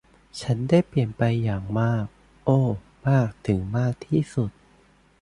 ฉันได้เปลี่ยนไปอย่างมาก โอ้ มากถึงมากที่สุด